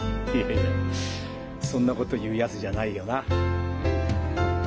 そんなこと言うやつじゃないよな。